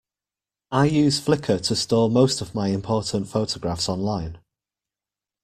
I use Flickr to store most of my important photographs online